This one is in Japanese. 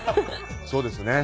そうですね